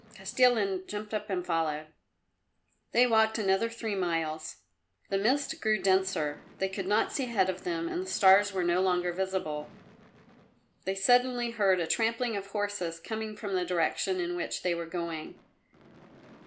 Kostilin jumped up and followed. They walked another three miles. The mist grew denser; they could not see ahead of them and the stars were no longer visible. They suddenly heard a trampling of horses coming from the direction in which they were going.